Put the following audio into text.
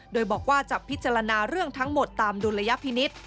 โดยบอกว่าจะพิจารณาเรื่องทั้งหมดตามดุลยพินิษฐ์